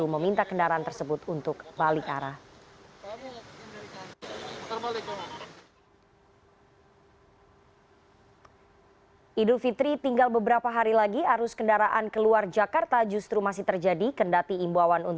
menjaga persatuan dan